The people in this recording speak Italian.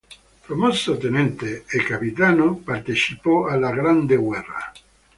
Promosso Tenente e Capitano, partecipò alla Grande Guerra.